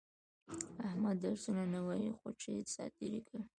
احمد درسونه نه وایي، خوشې ساتېري کوي.